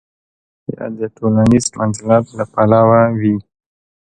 یا د ټولنیز منزلت له پلوه وي.